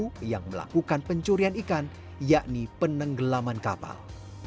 pelaku yang melakukan pencurian ikan yakni penenggelaman kapal